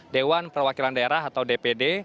dewan perwakilan daerah atau dpd